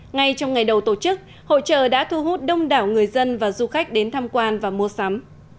ngay trong ngày đầu tổ chức hội trợ đã thu hút đông đảo người dân và du khách đến tham quan và mua sắm